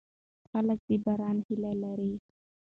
خلک د باران هیله لري.